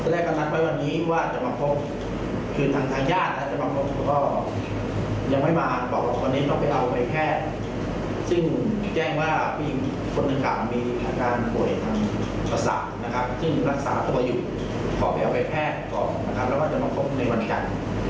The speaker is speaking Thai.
ซึ่งรักษาก็อบอยู่พอไปเอาไปแพทย์แล้วก็จะมาพบในวันจันที่